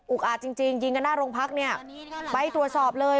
อาจจริงยิงกันหน้าโรงพักเนี่ยไปตรวจสอบเลย